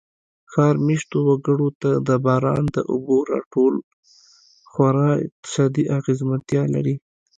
ښار مېشتو وګړو ته د باران د اوبو را ټول خورا اقتصادي اغېزمنتیا لري.